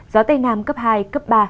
gió tây nam cấp hai cấp ba